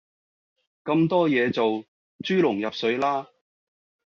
咁多嘢做豬籠入水啦